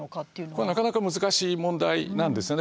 これなかなか難しい問題なんですよね。